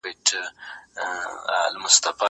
زه به اوږده موده موسيقي اورېدلې وم!